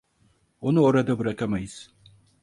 Onu orada bırakamayız.